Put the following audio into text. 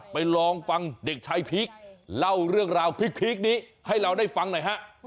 ลองฟังเด็กชายพีคเล่าเรื่องราวพีคนี้ให้เราได้ฟังหน่อยฮะ